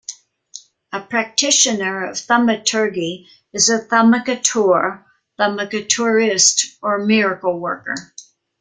A practitioner of thaumaturgy is a thaumaturge, thaumaturgist or miracle-worker.